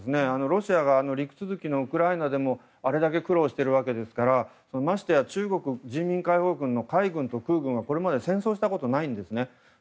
ロシアが陸続きのウクライナでもあれだけ苦労してるわけですから中国、人民解放軍の海軍と空軍は、これまで戦争したことないんですね。